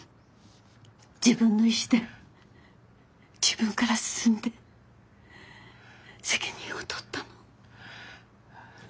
自分の意志で自分から進んで責任を取ったの。